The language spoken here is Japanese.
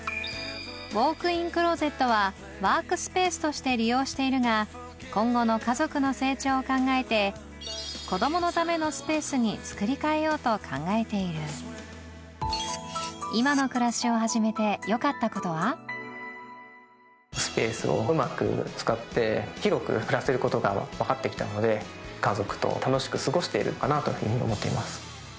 ウオークインクローゼットはワークスペースとして利用しているが今後の家族の成長を考えて子供のためのスペースに作り替えようと考えているスペースをうまく使って広く暮らせることが分かって来たので家族と楽しく過ごしているのかなというふうに思っています。